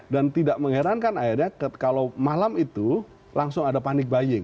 dan tidak mengherankan akhirnya kalau malam itu langsung ada panic buying